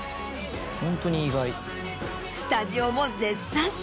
スタジオも絶賛！